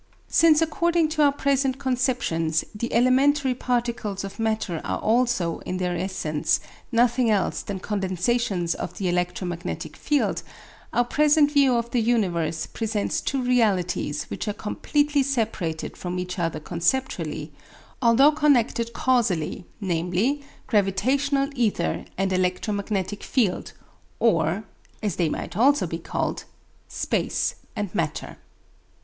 Since according to our present conceptions the elementary particles of matter are also, in their essence, nothing else than condensations of the electromagnetic field, our present view of the universe presents two realities which are completely separated from each other conceptually, although connected causally, namely, gravitational ether and electromagnetic field, or as they might also be called space and matter.